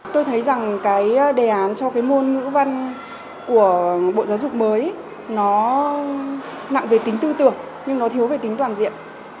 tôi thấy rằng cái đề án cho cái môn ngữ văn của bộ giáo dục mới nó nặng về tính tư tưởng nhưng nó thiếu về tính toàn diện